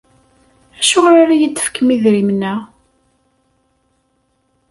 Acuɣer ara iyi-d-tefkem idrimen-a?